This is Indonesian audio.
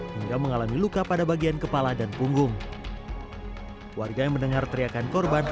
hingga mengalami luka pada bagian kepala dan punggung warga yang mendengar teriakan korban